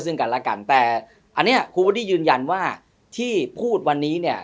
แต่อันเนี้๊ยคุณพศตรียืนยันว่าที่พูดวันนี้เนี่ย